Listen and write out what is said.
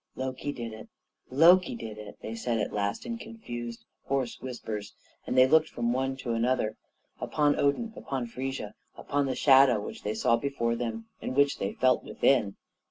"Loki did it! Loki did it!" they said at last in confused, hoarse whispers, and they looked from one to another, upon Odin, upon Frigga, upon the shadow which they saw before them, and which they felt within.